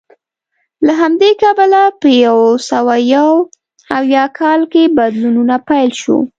له همدې کبله په یو سوه یو اویا کال کې بدلونونه پیل شول